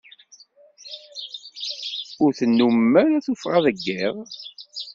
Ur tennumem ara tuffɣa deg iḍ.